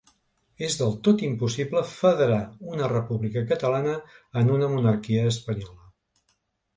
És del tot impossible federar una república catalana en una monarquia espanyola.